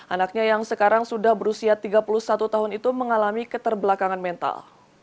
anaknya yang sekarang sudah berusia tiga puluh satu tahun itu mengalami keterbelakangan mental